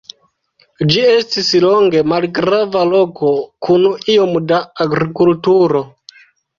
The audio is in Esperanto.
Ĝi estis longe malgrava loko kun iom da agrikulturo.